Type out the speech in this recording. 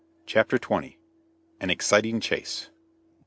CHAPTER XX. AN EXCITING CHASE.